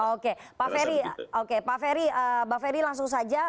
oke pak ferry langsung saja